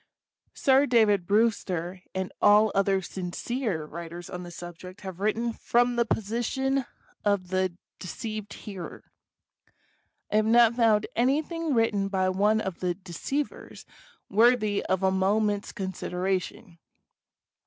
Sir David Brewster and all other sincere writers on the subject have written from the position of the de ceived hearer. I have not found anything written by one of the deceivers worthy of a moment's consideration.